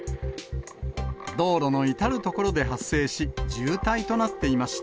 道路の至る所で発生し、渋滞となっていました。